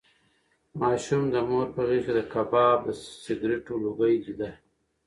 ماشوم د مور په غېږ کې د کباب د سګرټو لوګی لیده.